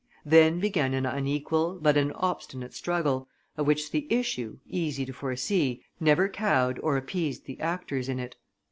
Then began an unequal, but an obstinate struggle, of which the issue, easy to foresee, never cowed or appeased the actors in it.